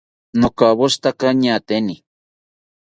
Nokawoshitaka ñaateni